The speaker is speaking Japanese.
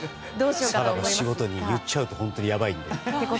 さらば仕事人と言っちゃうと本当にやばいので。